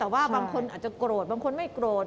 แต่ว่าบางคนอาจจะโกรธบางคนไม่โกรธ